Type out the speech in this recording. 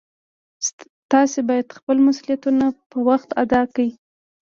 تاسې باید خپل مسؤلیتونه په وخت ادا کړئ